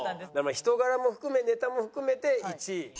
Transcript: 人柄も含めネタも含めて１位。